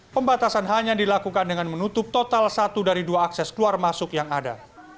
pembatasan hanya dilakukan dengan menutup total satu dari dua akses keluar masuk yang ada